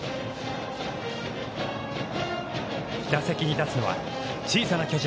打席に立つのは、小さな巨人。